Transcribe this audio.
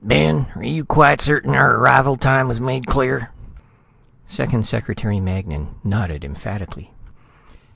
"Ben, are you quite certain our arrival time was made clear?" Second Secretary Magnan nodded emphatically.